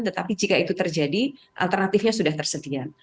tetapi jika itu terjadi alternatifnya sudah tersedia